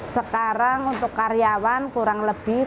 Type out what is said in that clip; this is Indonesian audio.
sekarang untuk karyawan kurang lebih tiga puluh